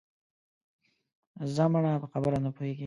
ځه مړه په خبره نه پوهېږې